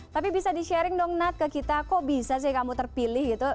tapi bisa di sharing dong nat ke kita kok bisa sih kamu terpilih gitu